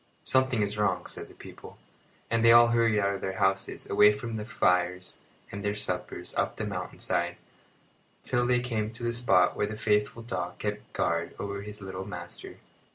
"Something is wrong," said the people; and they all hurried out of their houses, away from their fires and their suppers, up the mountain side, till they came to the spot where the faithful dog kept guard over his little master.